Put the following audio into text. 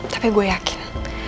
tapi gue yakin